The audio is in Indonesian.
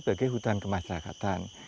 bagi hutan kemasyarakatan